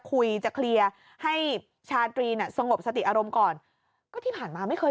คุยจะเคลียร์ให้ชาตรีน่ะสงบสติอารมณ์ก่อนก็ที่ผ่านมาไม่เคย